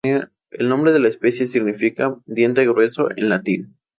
El nombre de la especie significa "diente grueso" en latín.